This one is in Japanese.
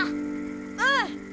うん。